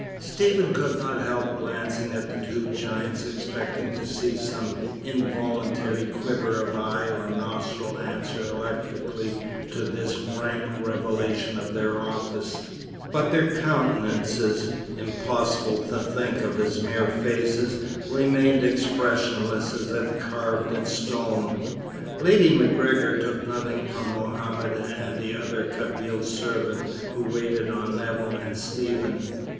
Stephen could not help glancing at the two giants, expecting to see some involuntary quiver of eye or nostril answer electrically to this frank revelation of their office; but their countenances (impossible to think of as mere faces) remained expressionless as if carved in stone. Lady MacGregor took nothing from Mohammed and the other Kabyle servant who waited on Nevill and Stephen.